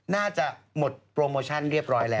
น่าจะหมดโปรโมชั่นเรียบร้อยแล้ว